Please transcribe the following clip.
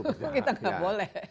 karena kita kan kita tidak boleh